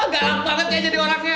gak laku banget kayak jadi orangnya